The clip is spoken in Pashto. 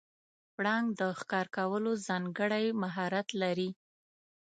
پړانګ د ښکار کولو ځانګړی مهارت لري.